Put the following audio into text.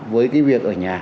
với cái việc ở nhà